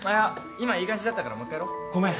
今いい感じだったからもう一回やろごめん